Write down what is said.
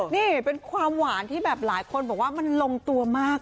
นี่เป็นความหวานที่แบบหลายคนบอกว่ามันลงตัวมาก